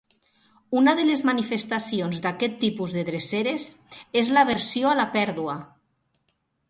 Una de les manifestacions d'aquest tipus de dreceres és l'aversió a la pèrdua.